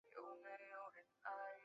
叙西厄。